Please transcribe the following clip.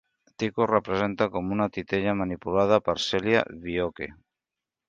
Tico es representa com una titella manipulada per Celia Vioque.